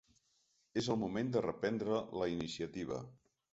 És el moment de reprendre la iniciativa.